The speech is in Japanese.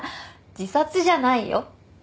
自殺じゃないよ。